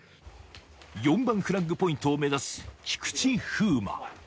４番フラッグポイントを目指す菊池風磨